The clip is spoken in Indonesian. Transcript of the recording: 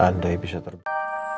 andai bisa terjadi